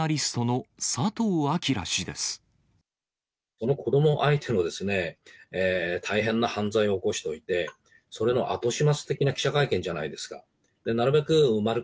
ジャーナリストの佐藤章氏で子ども相手の大変な犯罪を起こしておいて、それの後始末的な記者会見じゃないですか。